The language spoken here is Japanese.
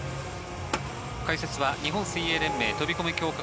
解説は日本水泳連盟飛込強化